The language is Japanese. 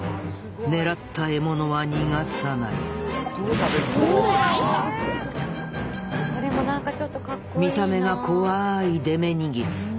狙った獲物は逃さない見た目が怖いデメニギス。